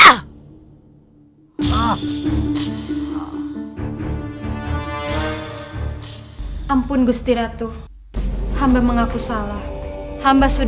hanya mem flames